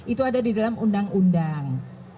itu ada di dalam undang undang